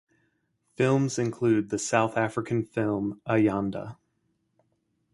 Films included the South African film "Ayanda".